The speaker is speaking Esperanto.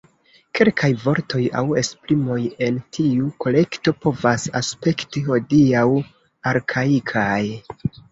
Kelkaj vortoj aŭ esprimoj en tiu kolekto povas aspekti hodiaŭ arkaikaj.